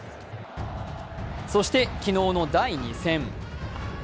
そして、昨日の第２戦。